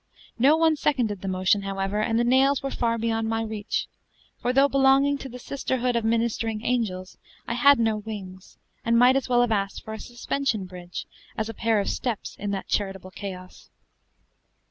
No one seconded the motion, however, and the nails were far beyond my reach; for though belonging to the sisterhood of "ministering angels," I had no wings, and might as well have asked for a suspension bridge as a pair of steps in that charitable chaos.